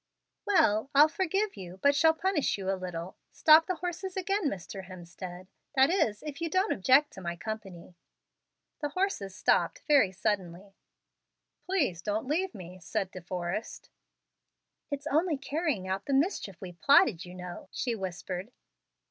"Well, I'll forgive you, but shall punish you a little. Stop the horses again, Mr. Hemstead; that is, if you don't object to my company." The horses stopped very suddenly. "Please don't leave me," said De Forrest. "It's only carrying out the mischief we plotted, you know," she whispered.